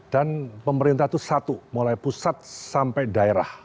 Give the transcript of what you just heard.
dan pemerintah itu satu mulai pusat sampai daerah